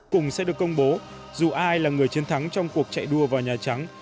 cùng sẽ được công bố dù ai là người chiến thắng trong cuộc chạy đua vào nhà trắng